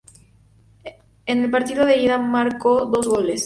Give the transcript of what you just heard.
En el partido de ida marcó dos goles.